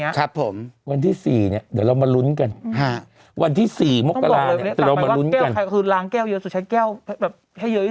นี่นะครับผมวันที่สี่เนี่ยเดี๋ยวมาลุ้นกันวันที่สี่มะกาลาว่าลุ้นกันคือล้างแก้วเยอะสุดไก้แก้วแบบทำให้เยอะที่